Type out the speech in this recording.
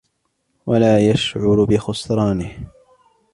وَلَا يَشْعُرُ بِخُسْرَانِهِ